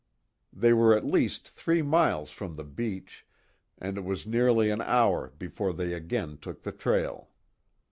They were at least three miles from the beach, and it was nearly an hour before they again took the trail.